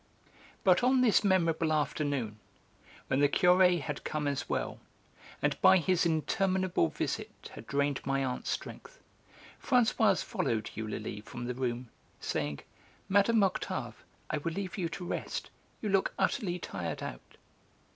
But on this memorable afternoon, when the Curé had come as well, and by his interminable visit had drained my aunt's strength, Françoise followed Eulalie from the room, saying: "Mme. Octave, I will leave you to rest; you look utterly tired out."